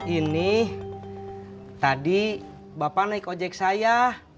ini tadi bapak naik ojek saya